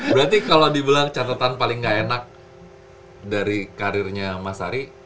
berarti kalau dibilang catatan paling gak enak dari karirnya mas ari